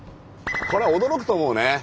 これは驚くと思うね。